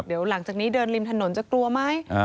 เดี๋ยวหลังจากนี้เดินริมถนนจะกลัวไหม